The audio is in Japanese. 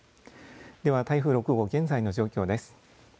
では、台風６号、現在の状況です。